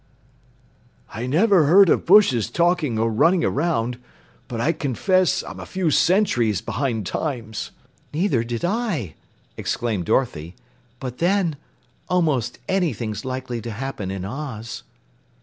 "I never heard of bushes talking or running around, but I confess I'm a few centuries behind times!" "Neither did I!" exclaimed Dorothy. "But then almost anything's likely to happen in Oz."